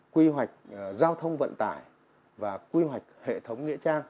quy hoạch giao thông vận tải và quy hoạch hệ thống nghĩa trang